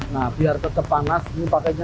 nah biar tetap panas ini pakainya